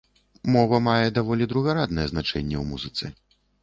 Мова мае даволі другараднае значэнне ў музыцы.